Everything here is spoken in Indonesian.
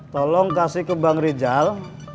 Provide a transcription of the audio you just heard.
tolong kasih ke bang rijal